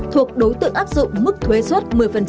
thuộc đối tượng áp dụng mức thuế xuất một mươi